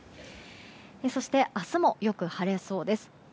そして明日もよく晴れそうです。